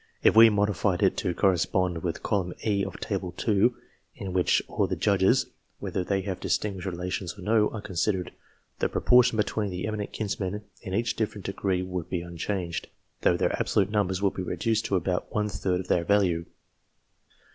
If we modified it to correspond with column E of Table II., in which all the Judges, whether they have distinguished relations or no, are considered, the proportion between the eminent kinsmen in each different degree would be unchanged, though their abso lute numbers would be reduced to about one third of their value.